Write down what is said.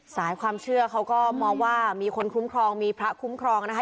สายความเชื่อเขาก็มองว่ามีคนคุ้มครองมีพระคุ้มครองนะคะ